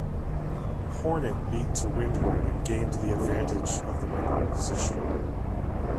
"Hornet" beat to windward and gained the advantage of the windward position.